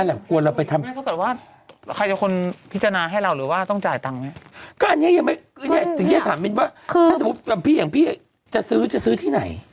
ทำพี่อย่างพี่จะซื้อจะซื้อที่ไหน